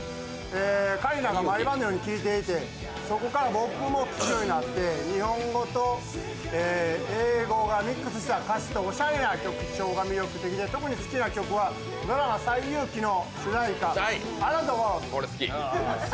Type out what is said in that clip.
桂里奈が毎晩のように聴いていてそこから僕も聴くようになって、日本語と英語がミックスした歌詞とおしゃれな曲調が人気で特に好きな曲はドラマ「西遊記」の主題歌「ＡｒｏｕｎｄＴｈｅＷｏｒｌｄ」。